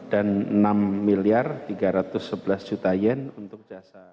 dan rp enam tiga ratus sebelas untuk jasa